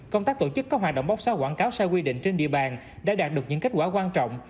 công tác tổ chức có hoạt động bóc xóa quảng cáo sai quy định trên địa bàn đã đạt được những kết quả quan trọng